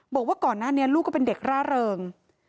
บอกว่าก่อนหน้านี้ลูกก็เป็นเด็กร่าเริง